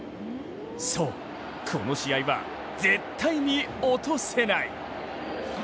そう、この試合は絶対に落とせない。